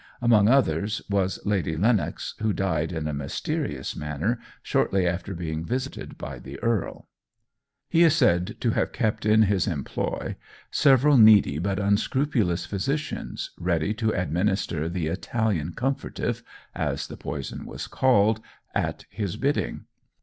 Among others was Lady Lennox, who died in a mysterious manner shortly after being visited by the earl. He is said to have kept in his employ several needy but unscrupulous physicians, ready to administer the "Italian Comfortive," as the poison was called, at his bidding.